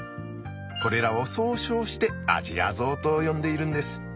これらを総称してアジアゾウと呼んでいるんです。